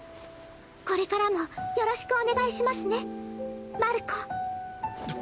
これからもよろしくお願いしますねマルコ。